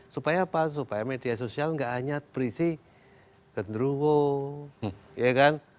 supaya apa supaya media sosial nggak hanya berisi gendruwo ya kan